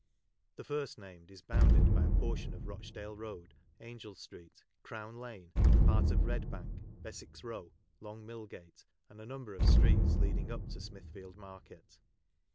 The rst named is bounded by a portion of Boehdale road, Angel street, Crown lane, part of Bed Bank, Beswick's Bow, Long Millgate, and a number of streets leading up to Smithfield Market.